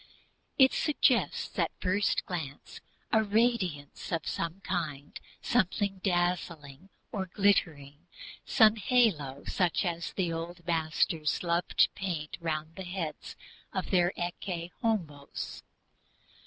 It suggests at first a radiance of some kind, something dazzling or glittering, some halo such as the old masters loved to paint round the head of their Ecce Homos.